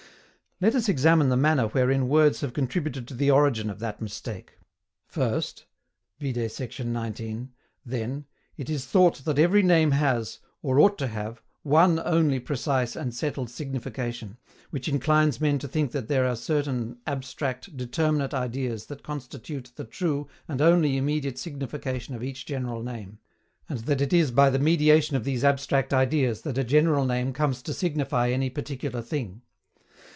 Let us examine the manner wherein words have contributed to the origin of that mistake. First [Vide sect. xix.] then, it is thought that every name has, or ought to have, ONE ONLY precise and settled signification, which inclines men to think there are certain ABSTRACT, DETERMINATE IDEAS that constitute the true and only immediate signification of each general name; and that it is by the mediation of these abstract ideas that a general name comes to signify any particular thing.